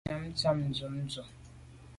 Ngabnyàm tshàm ntshob ndù.